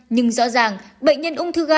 nhưng rõ ràng bệnh nhân ung thư gan đa phần